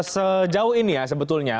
sejauh ini ya sebetulnya